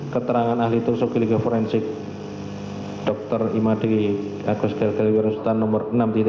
keterangan ahli toksogliu forensik dr imadi agus gelgeliwa resultan nomor enam dua